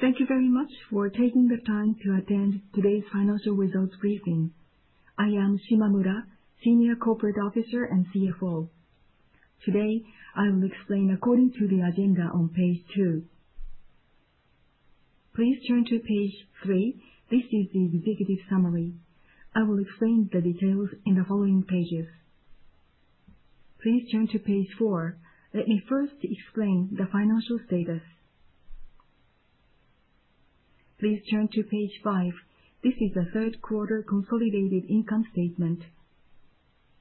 Thank you very much for taking the time to attend today's financial results briefing. I am Shimamura, Senior Corporate Officer and CFO. Today, I will explain according to the agenda on page two. Please turn to page three. This is the executive summary. I will explain the details in the following pages. Please turn to page four. Let me first explain the financial status. Please turn to page five. This is the third quarter consolidated income statement.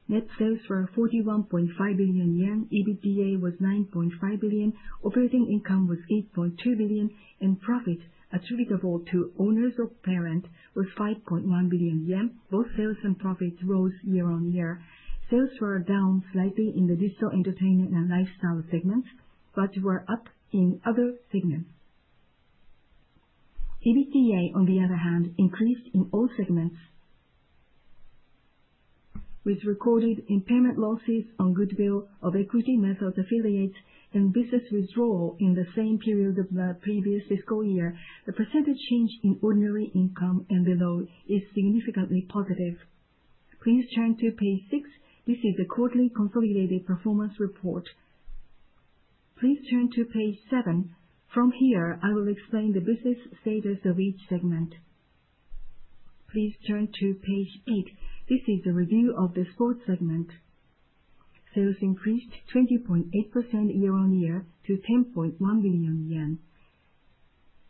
Net sales were 41.5 billion yen, EBITDA was 9.5 billion, operating income was 8.2 billion, and profit attributable to owners of parent was 5.1 billion yen. Both sales and profits rose year on year. Sales were down slightly in the digital entertainment and lifestyle segments, but were up in other segments. EBITDA, on the other hand, increased in all segments. With recorded impairment losses on goodwill of equity method affiliates and business withdrawal in the same period of the previous fiscal year, the percentage change in ordinary income and below is significantly positive. Please turn to page six. This is the quarterly consolidated performance report. Please turn to page seven. From here, I will explain the business status of each segment. Please turn to page six. This is the review of the sports segment. Sales increased 20.8% year on year to 10.1 billion yen.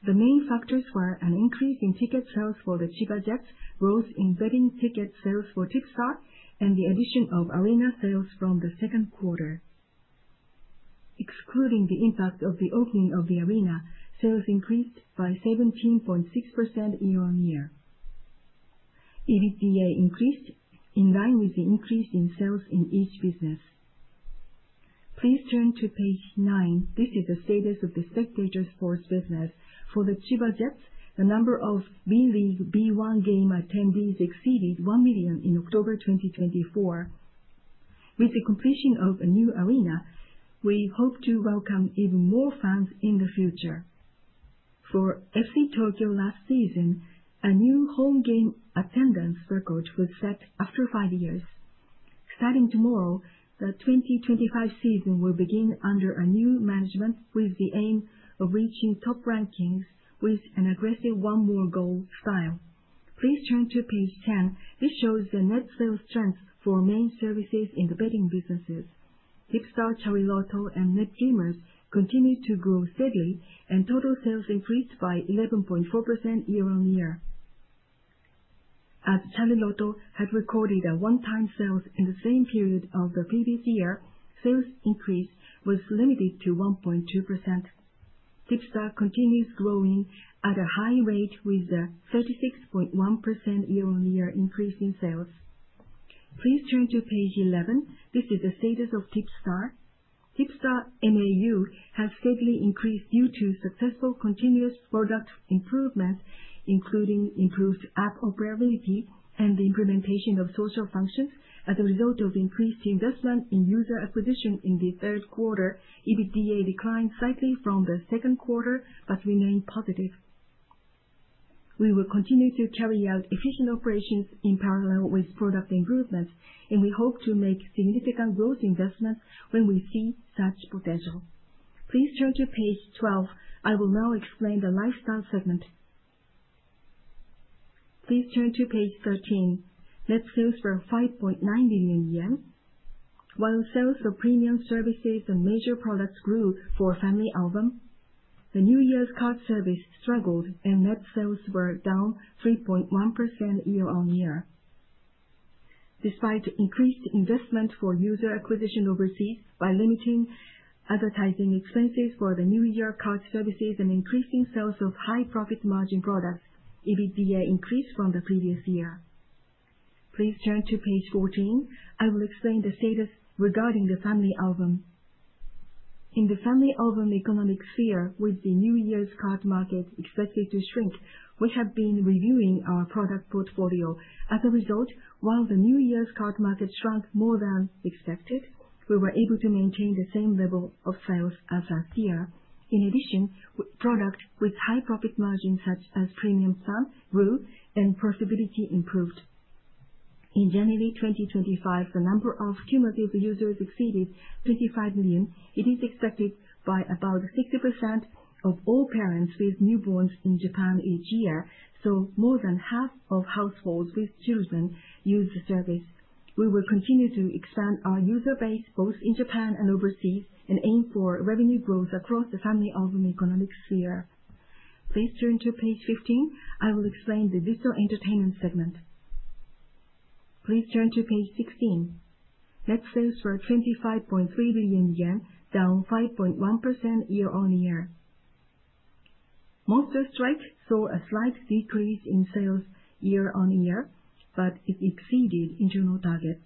The main factors were an increase in ticket sales for the Chiba Jets, growth in betting ticket sales for TIPSTAR, and the addition of arena sales from the second quarter. Excluding the impact of the opening of the arena, sales increased by 17.6% year on year. EBITDA increased in line with the increase in sales in each business. Please turn to page nine. This is the status of the spectators' sports business. For the Chiba Jets, the number of B.LEAGUE B1 game attendees exceeded 1 million in October 2024. With the completion of a new arena, we hope to welcome even more fans in the future. For FC Tokyo last season, a new home game attendance record was set after five years. Starting tomorrow, the 2025 season will begin under a new management with the aim of reaching top rankings with an aggressive one-more-goal style. Please turn to page 10. This shows the net sales strength for main services in the betting businesses. TIPSTAR, Chariloto, and netkeiba continued to grow steadily, and total sales increased by 11.4% year on year. As Chariloto had recorded a one-time sales in the same period of the previous year, sales increase was limited to 1.2%. TIPSTAR continues growing at a high rate with a 36.1% year-on-year increase in sales. Please turn to page 11. This is the status of TIPSTAR. TIPSTAR MAU has steadily increased due to successful continuous product improvements, including improved app operability and the implementation of social functions. As a result of increased investment in user acquisition in the third quarter, EBITDA declined slightly from the second quarter but remained positive. We will continue to carry out efficient operations in parallel with product improvements, and we hope to make significant growth investments when we see such potential. Please turn to page 12. I will now explain the lifestyle segment. Please turn to page 13. Net sales were 5.9 billion yen, while sales of premium services and major products grew for FamilyAlbum. The New Year's card service struggled, and net sales were down 3.1% year-on-year. Despite increased investment for user acquisition overseas by limiting advertising expenses for the New Year's card services and increasing sales of high-profit margin products, EBITDA increased from the previous year. Please turn to page 14. I will explain the status regarding the FamilyAlbum. In the FamilyAlbum economic sphere, with the New Year's card market expected to shrink, we have been reviewing our product portfolio. As a result, while the New Year's card market shrank more than expected, we were able to maintain the same level of sales as last year. In addition, products with high-profit margins such as Premium, Store, and Profitability improved. In January 2025, the number of cumulative users exceeded 25 million. It is expected by about 60% of all parents with newborns in Japan each year, so more than half of households with children use the service. We will continue to expand our user base both in Japan and overseas and aim for revenue growth across the FamilyAlbum economic sphere. Please turn to page 15. I will explain the digital entertainment segment. Please turn to page 16. Net sales were 25.3 billion yen, down 5.1% year-on-year. Monster Strike saw a slight decrease in sales year-on-year, but it exceeded internal targets.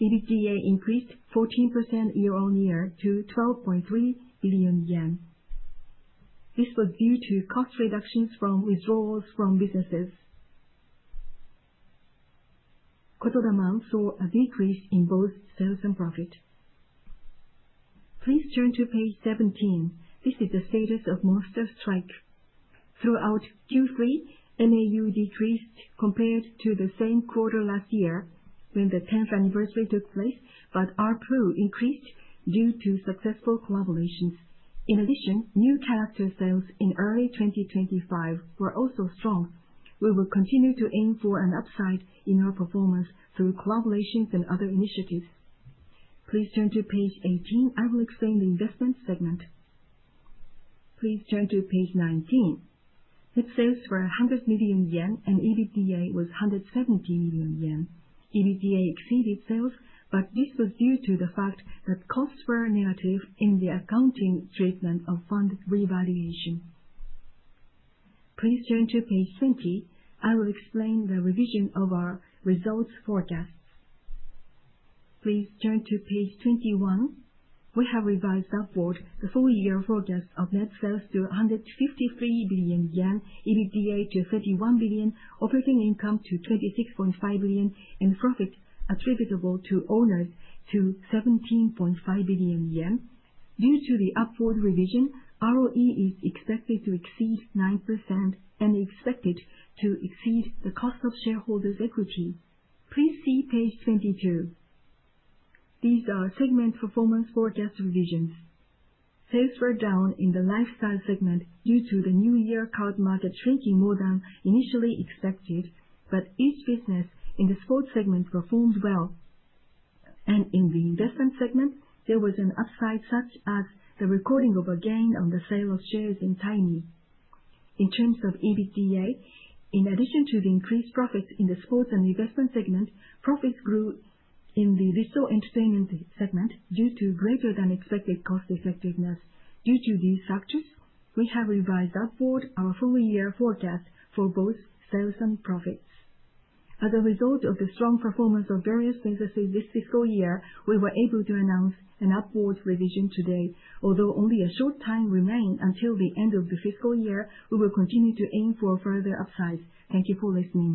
EBITDA increased 14% year-on-year to 12.3 billion yen. This was due to cost reductions from withdrawals from businesses. Kotodaman saw a decrease in both sales and profit. Please turn to page 17. This is the status of Monster Strike. Throughout Q3, MAU decreased compared to the same quarter last year when the 10th anniversary took place, but ARPU increased due to successful collaborations. In addition, new character sales in early 2025 were also strong. We will continue to aim for an upside in our performance through collaborations and other initiatives. Please turn to page 18. I will explain the investment segment. Please turn to page 19. Net sales were 100 million yen, and EBITDA was 170 million yen. EBITDA exceeded sales, but this was due to the fact that costs were negative in the accounting treatment of fund revaluation. Please turn to page 20. I will explain the revision of our results forecasts. Please turn to page 21. We have revised upward the full-year forecast of net sales to 153 billion yen, EBITDA to 31 billion, operating income to 26.5 billion, and profit attributable to owners to 17.5 billion yen. Due to the upward revision, ROE is expected to exceed 9% and expected to exceed the cost of shareholders' equity. Please see page 22. These are segment performance forecast revisions. Sales were down in the lifestyle segment due to the New Year card market shrinking more than initially expected, but each business in the sports segment performed well, and in the investment segment, there was an upside such as the recording of a gain on the sale of shares in Timee. In terms of EBITDA, in addition to the increased profits in the sports and investment segment, profits grew in the digital entertainment segment due to greater than expected cost effectiveness. Due to these factors, we have revised upward our full-year forecast for both sales and profits. As a result of the strong performance of various businesses this fiscal year, we were able to announce an upward revision today. Although only a short time remains until the end of the fiscal year, we will continue to aim for further upsides. Thank you for listening.